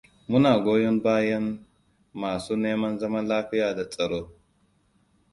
Muna goyon bayan: Masu neman zaman lafiya da tsaro.